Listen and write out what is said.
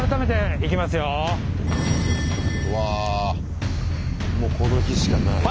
わあもうこの日しかない。